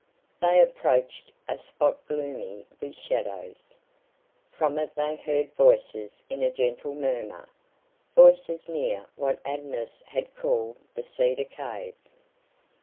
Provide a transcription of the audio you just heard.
They approached a spot gloomy with shadows. From it they heard voices in a gentle murmur voices near what Adonis had called the cedar cave.